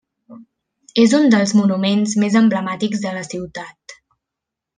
És un dels monuments més emblemàtics de la ciutat.